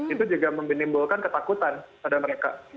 itu juga menimbulkan ketakutan pada mereka